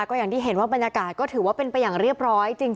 ก็อย่างที่เห็นว่าบรรยากาศก็ถือว่าเป็นไปอย่างเรียบร้อยจริง